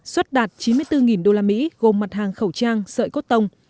xuất đạt chín mươi bốn usd gồm mặt hàng khẩu trang sợi cốt tông